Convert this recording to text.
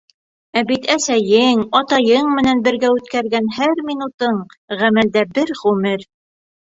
Ә бит әсәйең, атайың менән бергә үткәргән һәр минутың, ғәмәлдә, бер ғүмер.